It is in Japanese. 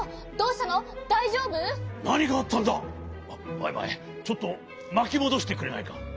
マイマイちょっとまきもどしてくれないか？